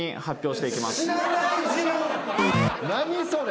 何それ。